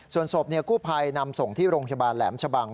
ส่วนศพกู้ภัยนำส่งที่โรงพยาบาลแหลมชะบัง